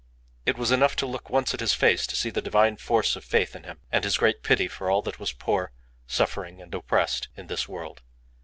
It was enough to look once at his face to see the divine force of faith in him and his great pity for all that was poor, suffering, and oppressed in this world.